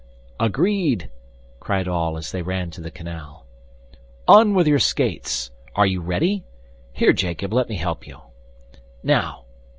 "Agreed!" cried all as they ran to the canal. "On with your skates! Are you ready? Here, Jacob, let me help you." "Now.